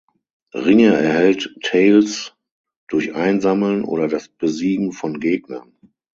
Ringe erhält Tails durch Einsammeln oder das Besiegen von Gegnern.